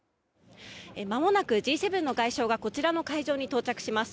まもなくＧ７の外相がこちらの会場に到着します。